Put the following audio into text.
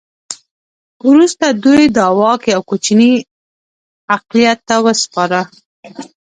وروسته دوی دا واک یو کوچني اقلیت ته وسپاره.